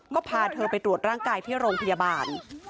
ก็พาเธอไปตรวจร่างกายที่โรงพยาบาล